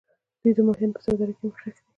دوی د ماهیانو په سوداګرۍ کې مخکښ دي.